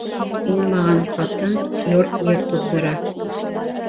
Уңмаған ҡатын йорт-ер туҙҙыра.